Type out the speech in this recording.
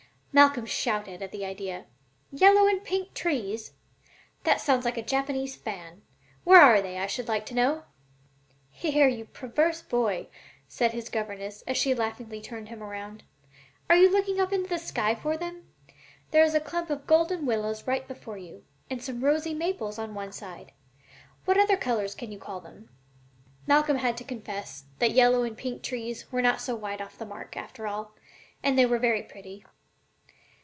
Malcolm shouted at the idea: "Yellow and pink trees! That sounds like a Japanese fan. Where are they, I should like to know?" "Here, you perverse boy!" said his governess as she laughingly turned him around. "Are you looking up into the sky for them? There is a clump of golden willows right before you, with some rosy maples on one side. What other colors can you call them?" Malcolm had to confess that "yellow and pink trees" were not so wide of the mark, after all, and that they were very pretty.